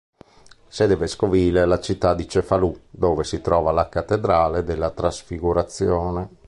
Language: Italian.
Sede vescovile è la città di Cefalù, dove si trova la cattedrale della Trasfigurazione.